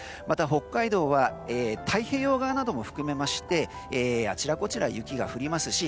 また、北海道は太平洋側なども含めましてあちらこちらで雪が降ります